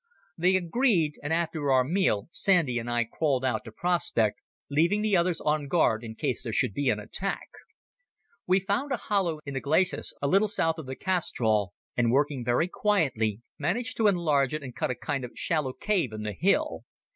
They agreed, and after our meal Sandy and I crawled out to prospect, leaving the others on guard in case there should be an attack. We found a hollow in the glacis a little south of the castrol, and, working very quietly, managed to enlarge it and cut a kind of shallow cave in the hill.